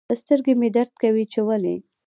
سترګي مي درد کوي چي ولي